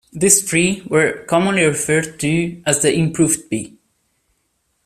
These three were commonly referred to as the Improved B.